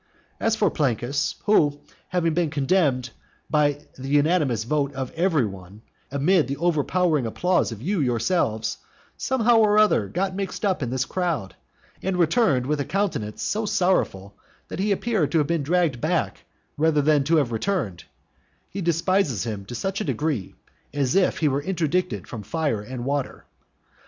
As for Plancus, who, having been condemned by the unanimous vote of every one, amid the overpowering applause of you yourselves, somehow or other got mixed up in this crowd, and returned with a countenance so sorrowful, that he appeared to have been dragged back rather than to have returned, he despises him to such degree, as if he were interdicted from fire and water.